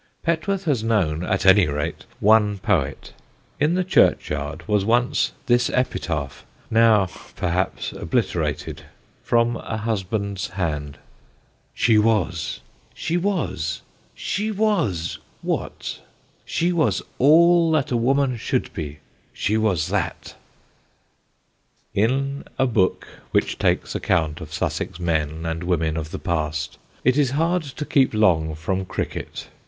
Petworth has known, at any rate, one poet. In the churchyard was once this epitaph, now perhaps obliterated, from a husband's hand: "She was! She was! She was, what? She was all that a woman should be, she was that." [Sidenote: NOAH MANN] In a book which takes account of Sussex men and women of the past, it is hard to keep long from cricket.